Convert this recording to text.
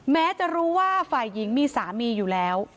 แม้จะรู้ว่าฝ่ายหญิงมีสามีอยู่แล้ว